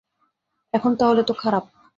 এখন, তাহলে তো খারাপ।